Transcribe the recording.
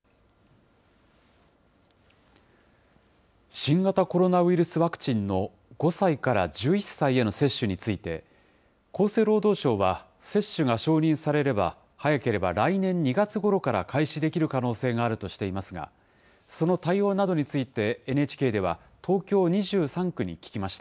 新型コロナウイルスワクチンの５歳から１１歳への接種について、厚生労働省は接種が承認されれば、早ければ来年２月ごろから開始できる可能性があるとしていますが、その対応などについてＮＨＫでは東京２３区に聞きました。